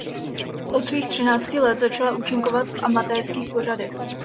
Od svých třinácti let začala účinkovat v amatérských pořadech.